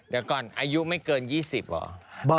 เดี๋ยวก่อนอายุไม่เกิน๒๐เหรอ